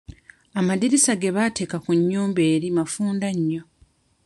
Amaddirisa ge bateeka ku nnyumba eri mafunda nnyo.